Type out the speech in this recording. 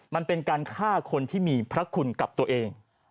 มันเป็นการฆ่าคนที่มีพระคุณกับตัวเอง